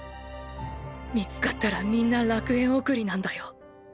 見つかったらみんな楽園送りなんだよ？